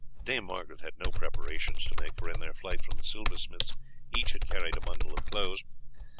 Dame Margaret had no preparations to make, for in their flight from the silversmith's each had carried a bundle of clothes.